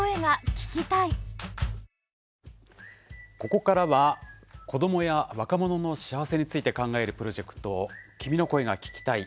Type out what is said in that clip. ここからは子どもや若者の幸せについて考えるプロジェクト「君の声が聴きたい」